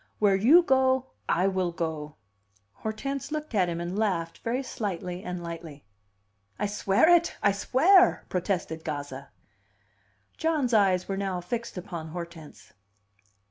"Where you go, I will go!" Hortense looked at him, and laughed very slightly and lightly. "I swear it! I swear!" protested Gazza. John's eyes were now fixed upon Hortense.